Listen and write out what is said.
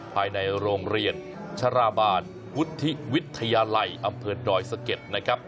ภายในโรงเรียนชราบาลวุฒิวิทยาลัยอำเภอดอยสะเก็ดนะครับ